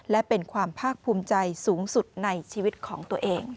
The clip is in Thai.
และเป็นความภาคภูมิใจสูงสุดในชีวิตของตัวเอง